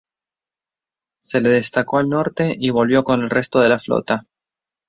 Se le destacó al norte y volvió con el resto de la flota.